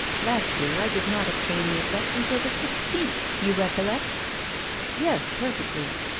Last year I did not obtain the effect until the sixteenth, you recollect?" "Yes, perfectly."